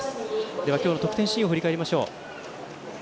では、今日の得点シーンを振り返りましょう。